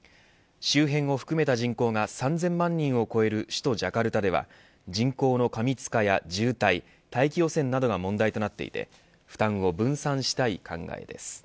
周辺を含めた人口が３０００万人を超える首都ジャカルタでは人口の過密化や渋滞大気汚染などが問題となっていて負担を分散したい考えです。